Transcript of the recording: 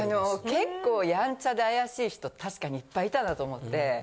結構やんちゃで怪しい人確かにいっぱいいたなと思って。